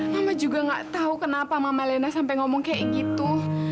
mama juga gak tahu kenapa mama lena sampai ngomong kayak gitu